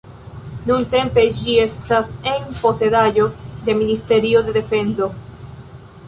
Nuntempe ĝi estas en posedaĵo de Ministerio de defendo.